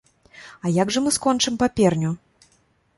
А як жа мы скончым паперню?